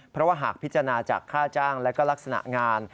เพราะว่าหากพิจารณาจากค่าจ้างและก็ลักษณะงาน